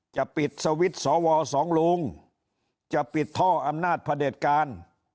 จะปิดสวิตช์สวสองลุงจะปิดท่ออำนาจพระเด็จการ